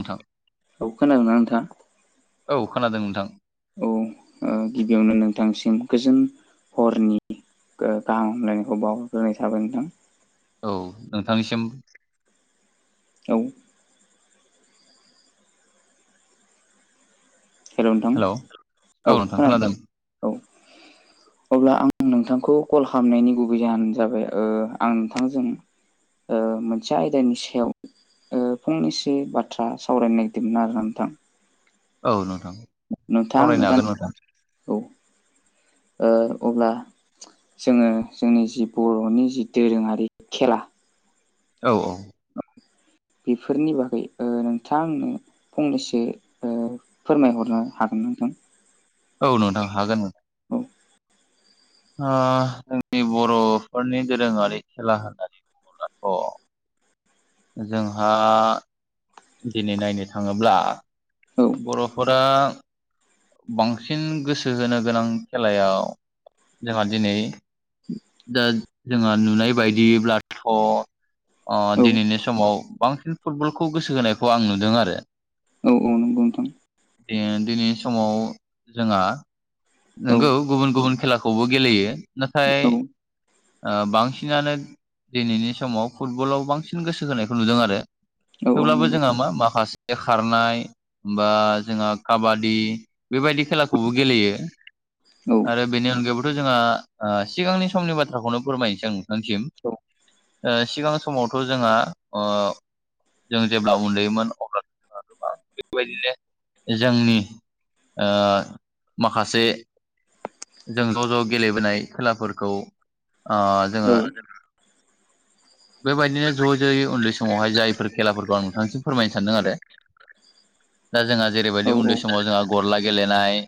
नोंथां औ खोनादोंना नोंथांङा? औ खोनादों नोंथां। औ ओ गिबियावनो नोंथांसिम गोजोन हरनि गाहाम हामलायनायखौ बावहरग्रोनाय थाबाय नोंथां। औ नोंथांनिसिम औ हेल नोंथां हेलौ औ नोंथां खोनादों खोनो औ अब्ला आं नोंथांखौ कल खालामनायनि गुबै जानो जाबाय ओ आं नोंथांजों ओ मोनसे आयदानि सायाव ओ फंनैसो बाथ्रा सावरायनो नागिरदोंमोन आरोना नोंथां। औ नोंथां नोंथां सावरायनो हागोन नोंथां औ ओ अब्ला जोङो जोंनि जि बर'नि जि दोरोङारि खेला औ औ। बेफोरनि बागै ओ नोंथाङा आंनो फंनैसो ओ फोरमायहरनो हागोन ना नोंथां? औ नोंथां हागोन। औ ओ जोंनि बर'फोरनि दोरोङारि खेला होननानै बुङोब्लाथ' जोंहा दिनै नायनो थाङोब्ला औ बर'फोरा बांसिन गोसो होनो गोनां खेलायाव जोंहा दिनै दा जोंहा नुनाय बायदियैब्लाथ' अ औ दिनैनि समाव बांसिन फुटबलखौ गोसो होनायखौ आं नुदों आरो औ औ नंगौ नोंथां। [unintelligible] दिनैनि समाव जोंहा औ नोंगौ गुबुन गुबुन खेलाखौबो गेलेयो। नाथाय औ ओ बांसिनानो दिनैनि समाव फुटबलाव बांसिन गोसो होनायखौ नुदों आरो औ औ थेवब्लाबो नंगौ जोंहा मा माखासे खारनाय होमबा जोंहा काबादि बेबायदि खेलाखौबो गेलेयो। औ आरो बेनि अनगायैबोथ' जोंहा ओ सिगांनि समनि बाथ्राखौनो फोरमायनोसै आं नोंथांनिसिम। ओ सिगां समावथ' जोंहा अ जों जेब्ला उन्दैमोन अब्ला [unintelligible] बेबायदिनो जोंनि ओ माखासे जों ज' ज' गेलेबोनाय खेलाफोरखौ अ औ आदा। बेबायदिनो ज' ज'यै उन्दै समावहाय जायफोर खेलाफोरखौ आं नोंथांनिसिम फोरमायनो सानदों आरो दा जोंहा औ जेरैबायदि उन्दै समाव जोंहा गरला गेलेनाय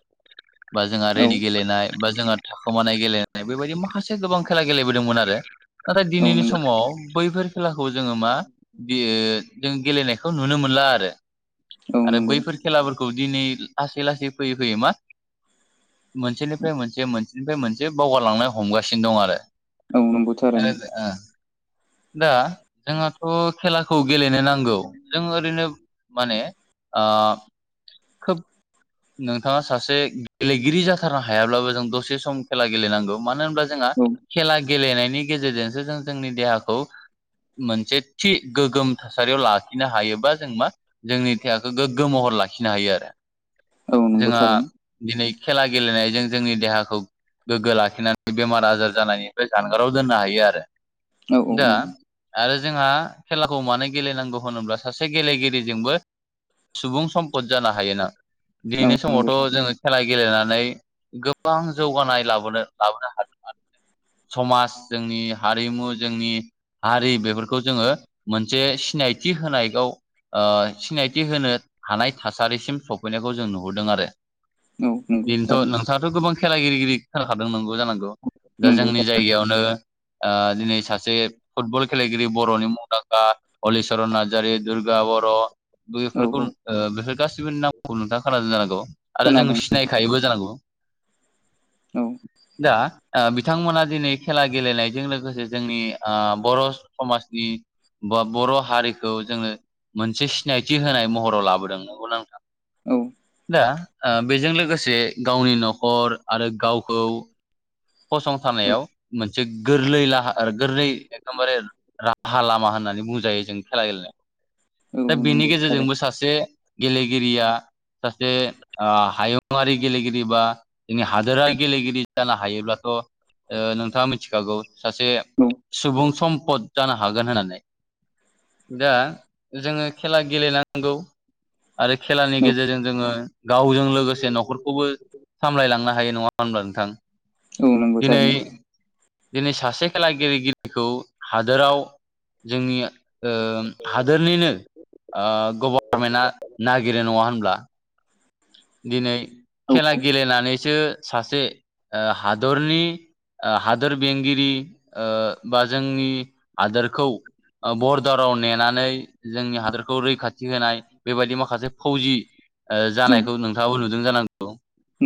बा जोंहा नंगौ रेडि गेलेनाय बा जोंहा थाखोमानाय गेलेनाय बेबायदि माखासे गोबां खेला गेलेबोदोंमोन आरो नाथाय दिनैनि समाव बैफोर खेलाखौ जोङो मा बियो जों गेलेनायखौ नुनो मोनला आरो औ आरो नंगौ बैफोर खेलाफोरखौ दिनै लासै लासै फैयै फैयै मा मोनसेनिफ्राय मोनसे मोनसेनिफ्राय मोनसे बावगारलांनो हमगासिनो दं आरो औ नंगौ थारैनो ओद ओ दा जोंहाथ' खेलाखौ गेलेनो नांगौ जों ओरैनो माने ओ खोब नोंथाङा सासे गेलेगिरि जाथारनो हायाब्लाबो जों दसे सम खेला गेलेनांगौ। मानो होनब्ला जोंहा औ खेला गेलेनायनि गेजेरजोंसो जों जोंनि देहाखौ मोनसे थि गोगोम थासारियाव लाखिनो हायोबा जों मा जोंनि देहाखो गोग्गो महर लाखिनो हायो आरो औ नंगौ जोंहा थारैनो दिनै खेला गेलेनायजों जोंनि देहाखौ गोग्गो लाखिनानै बेमार आजार जानायनिफ्राय जानगाराव दोननो हायो आरो औ औ दा नंगौ आरो जोंहा खेलाखौ मानो गेलेनांगौ होनोब्ला सासे गेलेगिरिजोंबो सुबुं सम्पद जानो हायो ना। औ दिनैनि नंगौ समावथ' जोङो खेला गेलेनानै गोब बां जौगानाय लाबोनो लाबोनो हादोंं [unintelligible] समाज जोंनि हारिमु जोंनि हारि बेफोरखौ जोङो मोनसे सिनायथि होनाय गाव ओ सिनायथि होनो हानाय थासारिसिम सफैनायखौ जों नुहुरदों आरो औ नंगौ बेनोथ' थारैनो नों दाथ' गोबां खेला गेलेगिरि गिरि खोनाखादों नंगौ जानांगौ। दा नंगौ जोंनि जायगायावनो ओ दिनै सासे फुटबल खेलेगिरि बर'नि मुंदांखा हलिचरन नार्जारि, दुर्गा बर' औ बेफोरखौ औ ओ बेफोर गासिबोनि नामखौ नोंथाङा खोनादों जानांगौ आरो जों खोनादों सिनायखायोबो जानांगौ औ दा ओ बिथांमोना दिनै खेला गेलेनायजों लोगोसे जोंनि ओ बर' समाजनि बा बर' हारिखौ जोनो मोनसे सिनायथि होनाय महराव लाबोदों [unintelligible] औ दा ओ बेजों लोगोसे गावनि न'खर आरो गावखौ औ फसंथानायाव मोनसे गोरलै लाहार गोरलै एकदमबारे राहा लामा होननानै बुंजायो जों खेला गेलेनायाव औ दा बेनि नंगौ गेजेरजोंबो थारैनो सासे गेलेगिरिया सासे ओ हायुङारि गेलेगिरि बा जोंनि हादोरा गेलेगिरि जानो हायोब्लाथ' ओ नोंथाङा मिथिखागौ सासे औ सुबुं सम्पद जानो हागोन होननानै दा जोङो खेला गेलेनांगौ आरो खेलानि गेजेरजों जोङो गावजों लोगोसे न'खरखौबो सामलायलांनो हायो नङा होनब्ला नोंथां औ औ नंगौ दिनै थारैनो दिनै सासे खेला गेलेगिरिखौ हादोराव जोंनि ओ हादोरनिनो ओ गभारनमेन्टआ नागिरो नङा होनब्ला दिनै औ खेला गेलेनानैसो सासे ओ हादरनि ओ हादोर बेंगिरि बा जोंनि हादोरखौ ओ बरदाराव नेनानै जोंनि हादोरखौ रैखाथि होनाय बेबायदि माखासे फौजि ओ औ जानायखौ नोंथाङाबो नुदों जानांगौ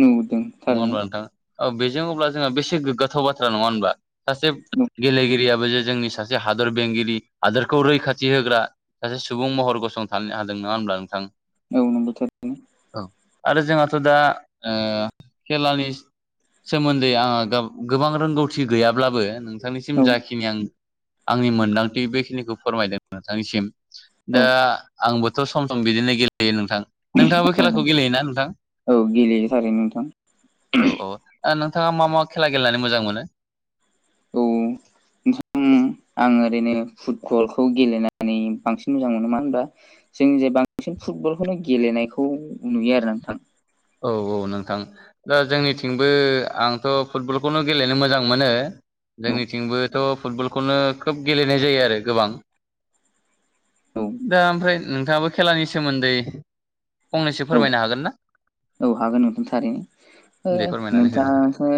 नुदों थारैनो होनबा नोंथां औ बेजों अब्ला जोंहा बेसे गोग्गाथाव बाथ्रा नङा होनब्ला सासे औ गेलेगिरियाबो जे जोंनि सासे हादर बेंगिरि हादोरखौ रैखाथि होग्रा सासे सुबुं महर गसंथानो हादों नङा होनब्ला नोंथां औ नंगौ थार औ आरो जोंहाथ' दा ओ खेलानि सोमोन्दै आं गोबां रोंगौथि गैयाब्लाबो नोंथांनिसिम औ जाखिनि आं आंनि मोनदांथि बेखिनिखौ फोरमायदों नोंथांनिसिम औ दा आंबोथ' सम सम बिदिनो गेलेयो नोंथां नोंथाङाबो खेलाखौ गेलेयोना नोंथां औ गेलेयो थारैनो नोंथां ओ नोंथाङा मा मा खेला गेलेनानै मोजां मोनो औ उम आं ओरैनो फुटबलखौ गेलेनानै बांसिन मोजां मोनो मानो होनबा जोंनि जे बांसिन फुटबलखौनो गेलेनायखौ नुयो आरो नोंथां औ औ नोंथां दा जोंनिथिंबो आंथ' फुटबलखौनो गेलेनो मोजां मोनो औ जोंनिथिंबोथ' फुटबलखौनो खोब गेलेनाय जायो आरो गोबां औ दा ओमफ्राय नोंथाङाबो खेलानि सोमोन्दै फंनैसो औ फोरमायनो हागोन ना औ हागोन नोंथां थारैनो दे ओ फोरमायनानै होनो नोंथाङासो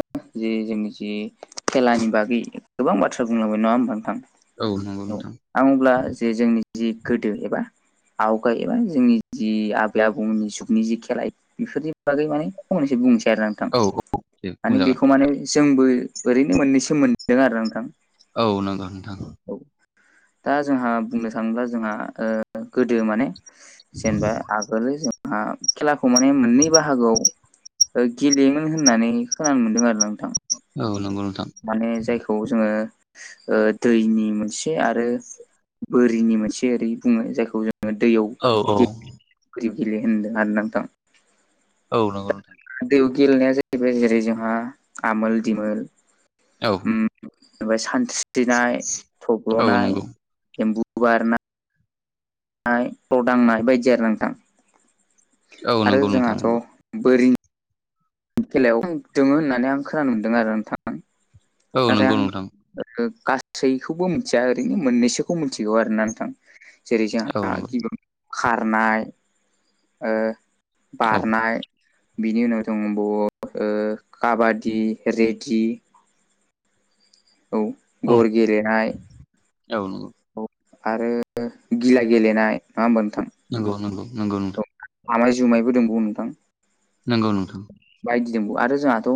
जे जोंनि जि खेलानि बागै गोबां बाथ्रा बुंलांबाय नङा होमबा नोंथां औ नंगौ औ नोंथां आं अब्ला जे जोंनि जि गोदो एबा आवगाय एबा जोंनि जि आबै आबौ मोननि जुगनि जि खेला बेफोरनि बागै माने फंनैसो बुंनोसै आरोना नोंथां औ औ दे माने बुंजागोन बेखौ माने जोंबो ओरैनो मोननैसो मोनदों आरो नोंथां औ नंगौ नोंथां औ दा जोंहा बुंनो थाङोब्ला जोंहा ओ गोदो माने जेनेबा आगोल जोंहा खेलाखौ माने मोननै बाहागोआव गेलेयोमोन होननानै खोनानो मोनदों आरोना नोंथां औ नंगौ नोंथां माने जायखौ जोंङो ओ दैनि मोनसे आरो बोरिनि मोनसे ओरै बुंङो जायखौ जों दैयाव औ औ गेलेयो होनदों आरोना नोंथां औ नंगौ नोंथां दैयाव गेलेनाया जाहैबाय जेरै जोंहा आमोल दिमोल औ उम ओमफ्राय सानस्रिनाय औ थब्ल'नाय नंगौ एम्बु बारनाय नाय खर' दांनाय बायदि आरोना नोंथां औ आरो नंगौ नोंथां जोंहाथ नंगौ बोरिनि खेलायाव जोंङो होननानै आं खोनानो मोनदों आरो नोंथां औ नाथाय नंगौ नोंथां आं गासैखौबो मिथिया ओरैनो मोननैसोखौ मिथिगौ आरोना नोंथां जेरै औ जोंहा नंगौ गिबि खारनाय औ बारनाय बिनि उनाव दंबावो ओ काबादि रेडि औ गर गेलेनाय औ नंगौ औ आरो गिला गेलेनाय मा होमबा नोंथां नंगौ नंगौ नंगौ नगौ नोंथां औ आमाय जुमायबो दंबावो नोंथां नंगौ नोंथां बायदि दंबावो आरो जोंहाथ'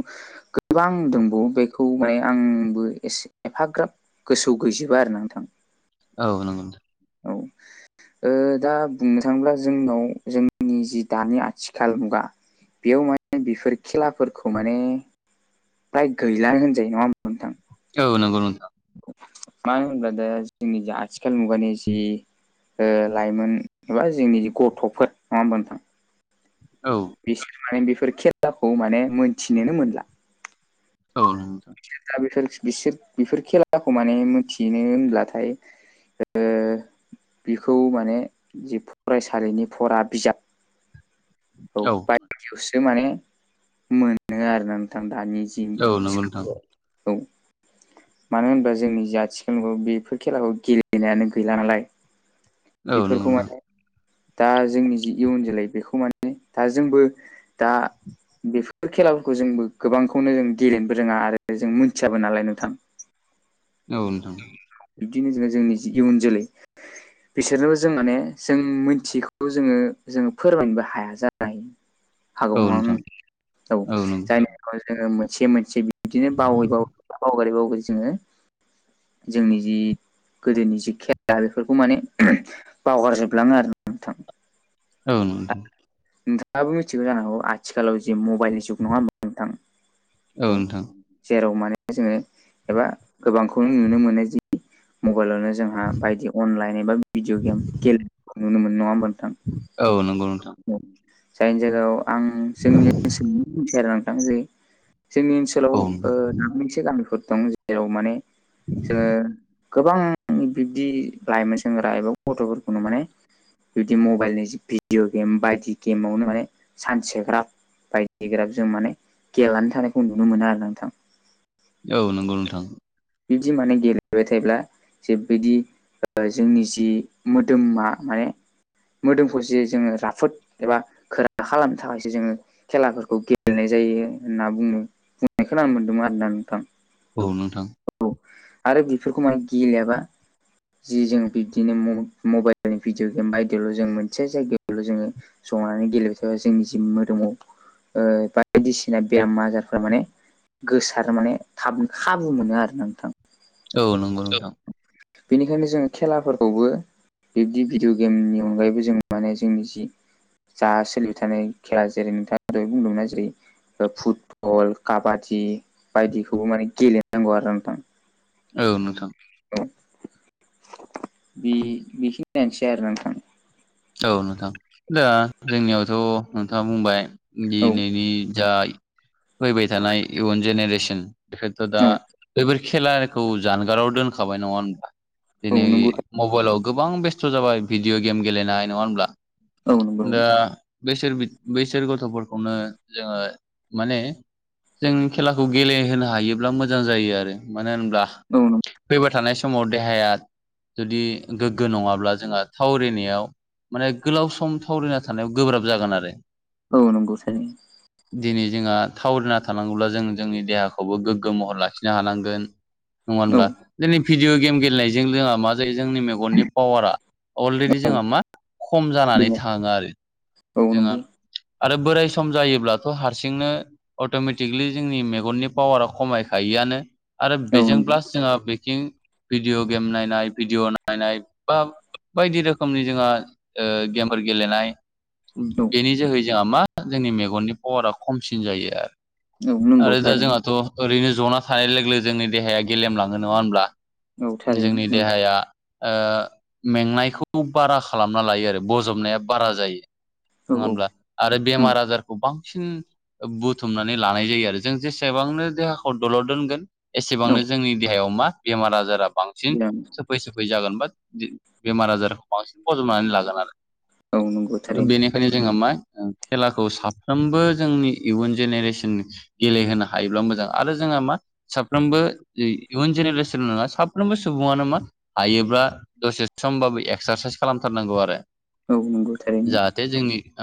गोबां दंबावो बेखौ माने आंबो एसे एफाग्राब गोसोआव गैजोबा आरो ना नोंथां औ नंगौ नोंथां औ औ दा बुंनो थांङोब्ला जोंनाव जोंनि जि दानि आथिखाल मुगा बेयाव माने बेफोर खेलाफोरखौ माने फ्राय गैलाानो होनजायो नंङा होमबा नोंथां औ नंगौ नोंथां मानो होनबा दा जोंनि आथिखाल मुगानि जे ओ लाइमोन एबा जोंनि जि गथ'फोर नंङा होमबा नोंथां औ बिसोर माने बेफोर खेलाखौ माने मोनथिनोनो मोनला औ दा बेफोर बिसोर बेफोर खेलाखौ माने मिथिनो होनब्लाथाय ओ बेखौ माने जि फरायसालिनि फरा बिजाब औ बायदियावसो माने मोनो आरो ना नोंथां दानि जि औ नंगौ नोंथां आथिखालाव औ मानो होनबा जोंनि जाथिखाल न बेफोर खेलाखौ गेलेनायानो गैला नालाय औ नंगौ बेफोरखौ माने दा जोंनि जि इयुन जोलै बेखौ माने दा जोंबो दा बेफोर खेलाफोरखौ जोंबो गोबांखौनो जों गेलेनोबो रोंङा आरो जों मिथियाबो नालाय नोंथां औ नोंथां बिब्दिनो जोंङो जोंनि इयुन जोलै बिसोरनोबो जों माने जों मिथियैखौ जोंङो जोंङो फोरमायनोबो हाया जाबाय हागौ औ नोंथां [unintelligible] औ जायनि जोंङो मोनसे मोनसे बिदिनो बावै बावै बावगारि बावगारि जोंङो। जोंनि जि गोदोनि जि खेला बेफोरखौ माने बावगारजोबलांङो आरो ना नोंथां औ नोंथां नोंथाङाबो मिथिगौ जानो हागौ आथिखालाव जे मबाइलनि जुग नङा मथां औ जेराव माने जोङो एबा गोबांखौ नुनो मोनो जि मबाइलावनो जोंहा बायदि अनलाइन एबा भिडिअ गेम गेलेनायखौ नुनो मोन नङा मोनथां। औ नंगौ नोंथां। जायनि जायगायाव आं जोंनि ओनसोलनि मिथि आरो नोंथां जे जोंनि ओनसोल ओनसोलाव औ दाबा मोनसे गामिफोर दं जेराव माने जोङो गोबां बिब्दि लाइमोन सेंग्रा एबा गथ'फोरखौनो माने बिदि मबाइलनि भिडिअ गेम बायदि गेमावनो माने सानसेग्रा बायदि ग्राब जों माने गेलेनानै थानायखौ नुनो मोनो आरो नोंथां। औ नंगौ नोंथां। बिदि माने गेलेबाय थायोब्ला जेबायदि जोंनि जि मोदोमा माने मोदोमखौ जे जोङो राफोद एबा खोरा खालामनो थाखायसो जोङो खेलाफोरखौ गेलेनाय जायो होनना बुंयो बुंनाय खोनानो मोन्दोंमोन आरोोना नोंथां। बबाव नोंथां। औ आरो बेफोरखौ मान गेलेयाबा जि जों बिब्दिनो मबाइल भिडिअ गेम बयदायावल' जों मोनसे जायगायावल' जोङो संनानै गेलेबाय था जोंनि जि मोदोमाव बायदिसिना बेराम आजारफोरा माने गोसार माने थाबाब दु मोनो आरो नोंथां। औ नंगौ नोंथां। बेनिखायनो जोंङ खेलाफोरखौबो बिबदि भिडिअ गेमनि अनगायैबो जों माने जोंनि जि जा सोलिबाय थानाय खेला जेरै नोंथाङा द बुंदोंमोनना जेरै फुटबल काबादि बायदिखौबो माने गेलेनांगौ आरो नोंथां। औ नोंथां। औ बि बेखिनिया नोसै आरो नोंथां। औ नोंथां दा जोंनियावथ' नोंथाङा बुंबाय औ दिनैनि जा फैबाय थानाय इयुन जेनेरेसन बेखायथ' दा औ बैफोर खेलाखौ जानगाराव दोनखाबाय नङा होनबा औ दिनै नंगौ मबाइलाव गोबां बेस्थ' जाबाय भिडिअ' गेम गेलेनाय नङा होनब्ला औ नंगौ औ दा बैसोर बैसोर गथ'फोरखौनो जोङो माने जों खेलाखौ गेलेहोनो हायोब्ला मोजां जायो आरो मानो होनब्ला औन [unintelligible] फैबाय थानाय समाव देहाया जुदि गोग्गो नङाब्ला जोंहा थावरिनायाव माने गोलाव सम थावररायना थानायाव गोब्राब जागोन आरो। औ नंगौस। दिनै जोंहा थावरिना थानांगौब्ला जों जोंनि देहाखौबो गोग्गो महर लाखिनो हानांगोन। नङ होनब्ला औ जोंनि भिडिअ गेम गेलेनायजों जोंहा मा जायो जोंनि मेगन गननि पावारा अलरेडि औ जोंहा मा खम जानानै बेनो थाङो आरो औ नंगौ जोंहा आरो बोराय सम जायोब्लाथ' हारसिंनो अट'मेटिकलि जोंनि मेगननि पावारा खमायखायोआनो। आरो औ बेजों नंगौ प्लास जोंहा बेकिं भिदिअ' गेम नायनाय भिडिअ' नायनाय बा बायदि रोखोमनि जोंहा गेमफोर गेलेनाय औ बेनि जोहै जोंहा मा जोंनि मेगननि पावारा खमसिन जायो आरो। औ नंगौ आरो दा थारैनो जोंहाथ' ओरैनो जना थानाय लोगो लोगो जोंनि देहाया गेलेमलाङो नङा होनब्ला। औ थारैनो जोंनि नंगौ देहाया मेंनायखौ बारा खालामना लायो आरो बजबनाया बारा जायो। नङा औ औ होमब्ला आरो बेमार आजारखौ बांसिन बुथुमनानै लानाय जायो आरो। जों जेसेबांनो देहाखौ दलर दोनगोन नंगौ एसेबांनो जोंनि देहायाव मा बेमार आजारा बांसिन औ सोफै सोफै जागोनबा बिदि बेमार आजारखौ बांसिन बजबनानै लागोन आरो। औ नंगौ थारैनो। बेनिखायनो जोंहा मा खेलाखौ साफ्रोमबो जोंनि इयुन जेनेरेसननि गेलेहोनो हायोब्ला मोजां आरो जोंहा मा साफ्रोमबो इउ-इयुन जेनेरेसन नङा साफ्रोमबो सुबुङानो मा हायोब्ला दसे समबाबो एक्सारसाइस खालामथारनांगौ आरो। औ नंगौ थारैनो। दा जोंनि